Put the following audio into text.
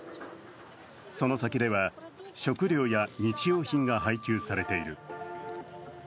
その先では、食料や日用品が配給されている。